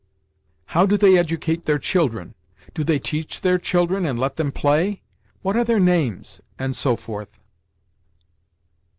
"How do they educate their children?" "Do they teach their children and let them play? What are their names?" and so forth.